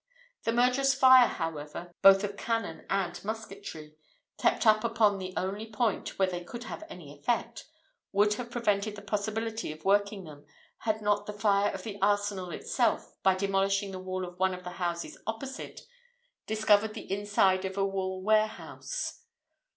The murderous fire, however, both of cannon and musketry, kept up upon the only point where they could have any effect, would have prevented the possibility of working them, had not the fire of the arsenal itself, by demolishing the wall of one of the houses opposite, discovered the inside of a wool warehouse.